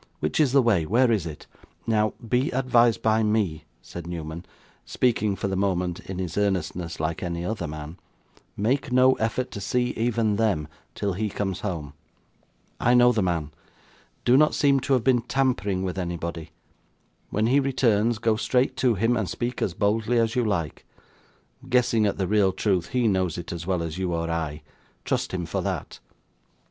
Which is the way? Where is it?' 'Now, be advised by me,' said Newman, speaking for the moment, in his earnestness, like any other man 'make no effort to see even them, till he comes home. I know the man. Do not seem to have been tampering with anybody. When he returns, go straight to him, and speak as boldly as you like. Guessing at the real truth, he knows it as well as you or I. Trust him for that.